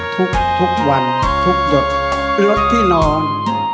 ทุกทุกวันทุกดกรถที่นอน